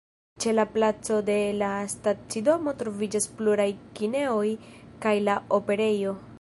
Ĉe la placo de la stacidomo troviĝas pluraj kinejoj kaj la Operejo.